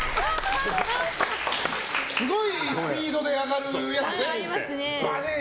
すごいスピードで上がるやつね。